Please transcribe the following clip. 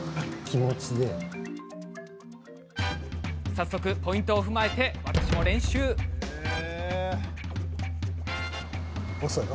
早速ポイントを踏まえて練習開始。